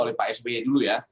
oleh pak sby dulu